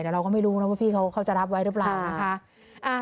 แต่เราก็ไม่รู้นะว่าพี่เขาจะรับไว้หรือเปล่านะคะ